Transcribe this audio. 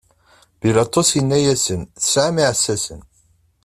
Bilaṭus inna-asen: Tesɛam iɛessasen.